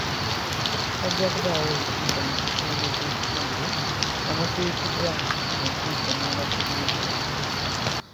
Wajja kubaawo olukiiko mu kizimbe ky'ekitundu omutuuzibwa enkiiko n'abakulira eddwaliro.